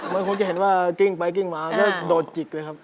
แม่ผมเห็นว่ากินไปกินมาก็โดดกิ๊กเลยครับ